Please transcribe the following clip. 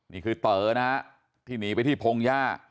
นี่คือเต๋อนะครับที่หนีไปที่พงศ์ย่า